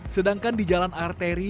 sedangkan di jalan arteri